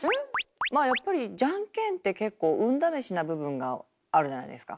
まあやっぱりじゃんけんって結構運試しな部分があるじゃないですか。